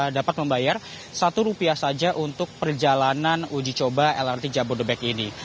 dapat membayar rp satu saja untuk perjalanan ujicoba lrt jambu dabek ini